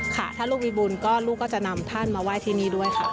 ค่ะถ้าลูกมีบุญก็ลูกก็จะนำท่านมาไหว้ที่นี่ด้วยค่ะ